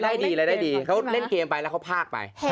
ได้ดีเขาเล่นเกมไปแล้วเขาพากไป